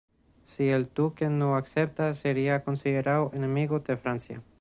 Si el duque no aceptaba, sería considerado enemigo de Francia.